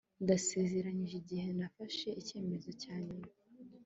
ndasezeranye igihe nafashe icyemezo cya nyuma